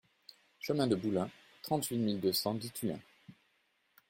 Chemin de Boulun, trente-huit mille deux cent dix Tullins